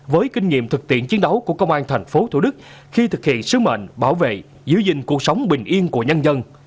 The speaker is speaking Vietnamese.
với kinh nghiệm thực tiễn chiến đấu của công an thành phố thủ đức khi thực hiện sứ mệnh bảo vệ giữ gìn cuộc sống bình yên của nhân dân